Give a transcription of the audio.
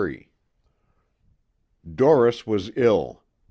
23 Doris was ill.